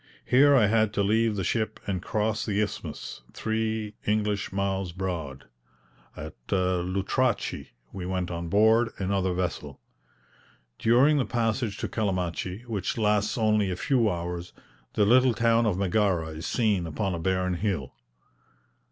Here I had to leave the ship and cross the Isthmus, three English miles broad. At Lutrachi we went on board another vessel. During the passage to Calamachi, which lasts only a few hours, the little town of Megara is seen upon a barren hill.